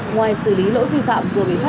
ngoài xử lý lỗi vi phạm vừa bị phát